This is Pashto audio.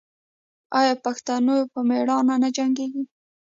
آیا پښتون په میړانه نه جنګیږي؟